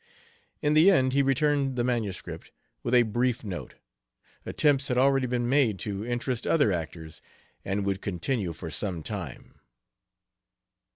In the end he returned the MS. with a brief note. Attempts had already been made to interest other actors, and would continue for some time.